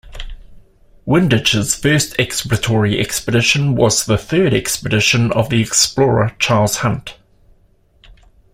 Windich's first exploratory expedition was the third expedition of the explorer Charles Hunt.